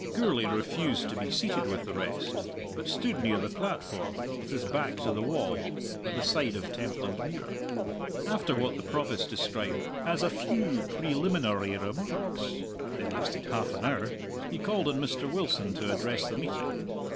Gourlay refused to be seated with the rest, but stood near the platform, with his back to the wall, by the side of Templandmuir. After what the Provost described "as a few preliminary remarks" they lasted half an hour he called on Mr. Wilson to address the meeting.